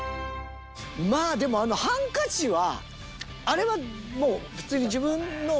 まあでもあのハンカチはあれはもう普通に自分の普通の判断でしょ？